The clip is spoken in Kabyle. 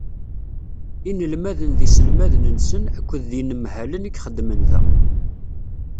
Inelmaden d yiselmaden-nsen akked yinemhalen i ixeddmen da.